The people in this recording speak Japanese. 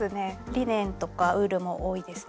リネンとかウールも多いですね。